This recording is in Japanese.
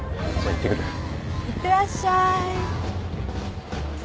いってらっしゃい。